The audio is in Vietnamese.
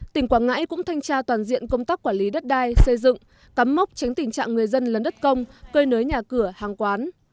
tỉnh quảng ngãi cũng thanh tra toàn diện công tác quản lý đất đai xây dựng cắm mốc tránh tình trạng người dân lấn đất công cơi nới nhà cửa hàng quán